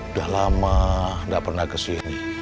udah lama nggak pernah kesini